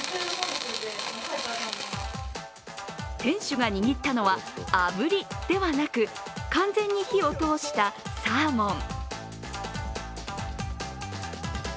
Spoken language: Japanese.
店主が握ったのは、あぶりではなく完全に火を通したサーモン。